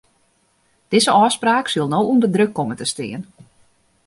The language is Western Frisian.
Dizze ôfspraak sil no ûnder druk komme te stean.